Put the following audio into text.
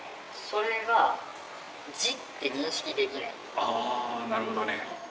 あなるほどね。